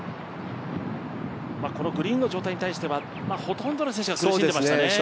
このグリーンの状態に対しては、ほとんどの選手は苦しんでましたね。